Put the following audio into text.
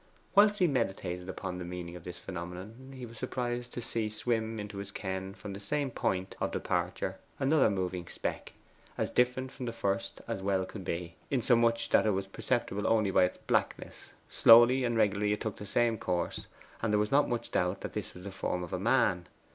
Whilst he meditated upon the meaning of this phenomenon, he was surprised to see swim into his ken from the same point of departure another moving speck, as different from the first as well could be, insomuch that it was perceptible only by its blackness. Slowly and regularly it took the same course, and there was not much doubt that this was the form of a man.